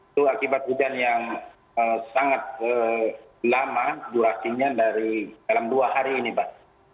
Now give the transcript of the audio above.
itu akibat hujan yang sangat lama durasinya dari dalam dua hari ini pak